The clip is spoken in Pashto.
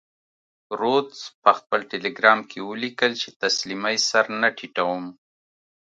رودز په خپل ټیلګرام کې ولیکل چې تسلیمۍ سر نه ټیټوم.